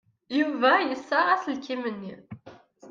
Yuba yessaɣ aselkim-nni.